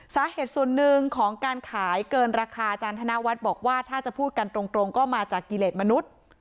สาเหตุส่วนหนึ่งของการขายเกินราคาอาจารย์ธนวัฒน์บอกว่าถ้าจะพูดกันตรงก็มาจากกิเลสมนุษย์